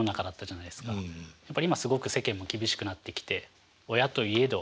やっぱり今すごく世間も厳しくなってきて親といえど。